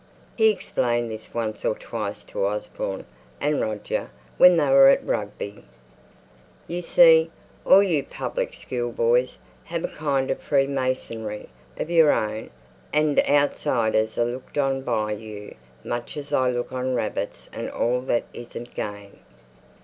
He explained this once or twice to Osborne and Roger when they were at Rugby. "You see, all you public schoolboys have a kind of freemasonry of your own, and outsiders are looked on by you much as I look on rabbits and all that isn't game.